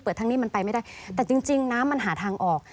ทางนี้มันไปไม่ได้แต่จริงน้ำมันหาทางออก